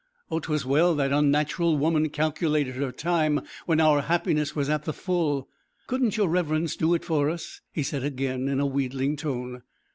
Oh, 'twas well that unnatural woman calculated her time when our happiness was at the full. Couldn't your Reverence do it for us?' he said again in a wheedling tone.